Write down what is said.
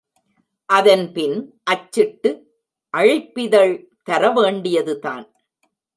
அதன்பின் அச்சிட்டு அழைப்பிதழ் தரவேண்டியதுதான்.